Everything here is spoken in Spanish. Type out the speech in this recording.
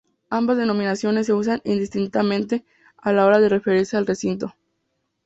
Ambas denominaciones se usan indistintamente a la hora de referirse al recinto.